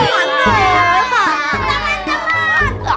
maka makan sepuasnya